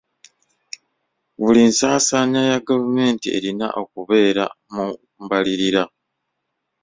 Buli nsaasaanya ya gavumenti erina okubeera mu mbalirira.